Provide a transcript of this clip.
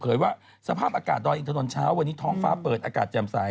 ว่าสภาพอากาศดอยอินทนนท์เช้าวันนี้ท้องฟ้าเปิดอากาศแจ่มใส